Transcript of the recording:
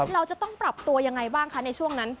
เราจะต้องปรับตัวยังไงบ้างคะในช่วงนั้น